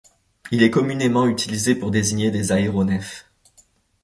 Il est communément utilisé pour désigner des aéronefs.